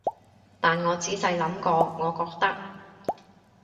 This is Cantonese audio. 但我仔細諗過，我覺得